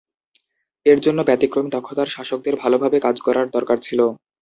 এর জন্য ব্যতিক্রমী দক্ষতার শাসকদের ভালভাবে কাজ করার দরকার ছিল।